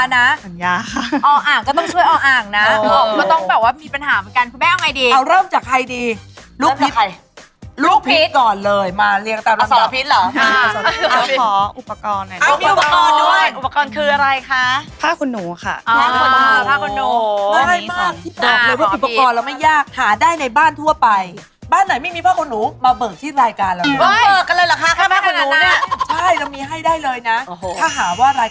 เขาบอกง่ายอะง่ายจริงหรือเปล่าสัญญานะเอาอ่างก็ต้องช่วยเอาอ่างนะมันต้องแบบว่ามีปัญหาเหมือนกันคุณแม่เอาไงดี